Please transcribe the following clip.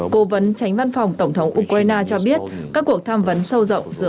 cố vấn tránh văn phòng tổng thống ukraine cho biết các cuộc tham vấn sâu rộng giữa